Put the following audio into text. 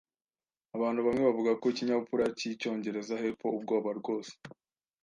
Abantu bamwe bavuga ko ikinyabupfura cyicyongereza, hepfo, ubwoba rwose.